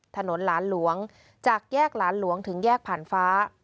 ถนนหลานหลวงจากแยกหลานหลวงถึงแยกผ่านฟ้า